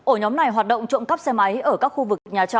ổ nhóm này hoạt động trộm cắp xe máy ở các khu vực nhà trọ